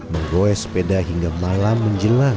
menggoes sepeda hingga malam menjelang